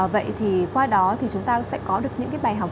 vậy thì qua đó thì chúng ta sẽ có được những cái bài học